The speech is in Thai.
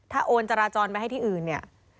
โอนจราจรไปให้ที่อื่นเนี่ย